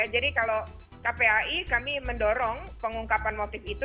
jadi kalau kpi kami mendorong pengungkapan motif itu